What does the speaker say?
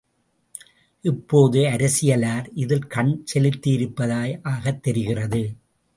இப்போது அரசியலார் இதில் கண் செலுத்தியிருப்பதாகத் தெரிகிறது.